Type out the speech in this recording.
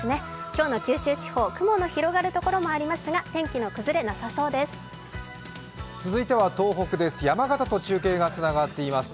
今日の九州地方、雲の広がるところはありますが、天気の崩れなさそうです。